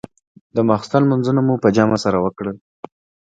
د ماخستن لمونځونه مو په جمع سره وکړل.